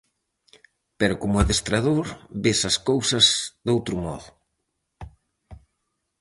Pero como adestrador ves as cousas doutro modo...